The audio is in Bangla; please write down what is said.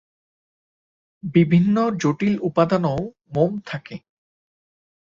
বিভিন্ন জটিল উপাদানও মোম থাকে।